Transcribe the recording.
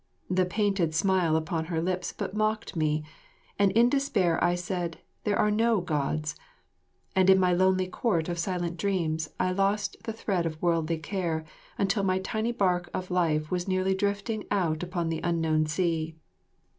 The painted smile upon her lips but mocked me, and in despair I said, "There are no Gods," and in my lonely court of silent dreams I lost the thread of worldly care until my tiny bark of life was nearly drifting out upon the unknown sea.